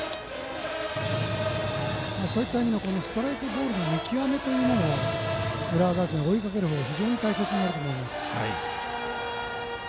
そういった意味ではストライク、ボールの見極めが浦和学院、追いかける方は大切になると思います。